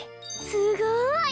すごい！